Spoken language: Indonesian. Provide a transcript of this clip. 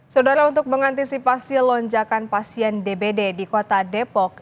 saudara untuk mengantisipasi lonjakan pasien dbd di kota depok